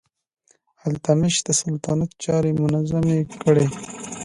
التتمش د سلطنت چارې منظمې کړې.